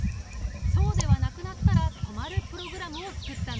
そうではなくなったら止まるプログラムを作ったんだ。